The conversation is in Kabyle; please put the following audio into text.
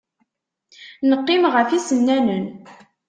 Neqqim ɣef yisennanen.